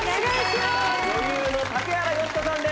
女優の竹原芳子さんです。